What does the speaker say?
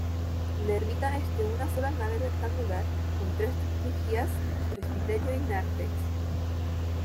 La ermita es de una sola nave rectangular, con tres crujías, presbiterio y nártex.